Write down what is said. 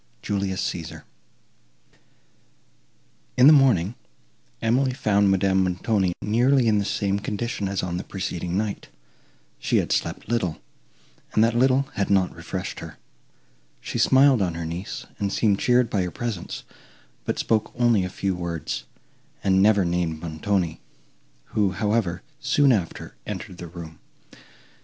JULIUS CÆSAR In the morning, Emily found Madame Montoni nearly in the same condition, as on the preceding night; she had slept little, and that little had not refreshed her; she smiled on her niece, and seemed cheered by her presence, but spoke only a few words, and never named Montoni, who, however, soon after, entered the room.